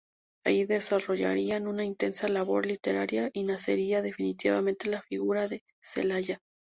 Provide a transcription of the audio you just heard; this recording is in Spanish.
Allí desarrollarían una intensa labor literaria y nacería definitivamente la figura de Celaya.